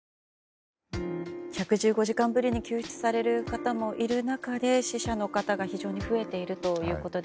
１１５時間ぶりに救出される方もいる中で死者の方が非常に増えているということで。